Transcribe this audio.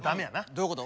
どういうこと？